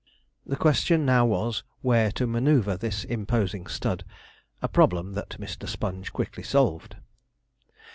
The question now was, where to manoeuvre this imposing stud a problem that Mr. Sponge quickly solved.